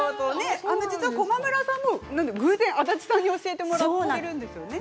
駒村さんも偶然安達さんに教えてもらっているんですよね。